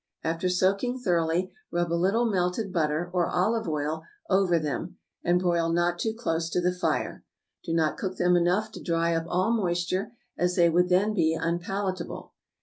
After soaking thoroughly, rub a little melted butter or olive oil over them, and broil not too close to the fire; do not cook them enough to dry up all moisture, as they would then be unpalatable.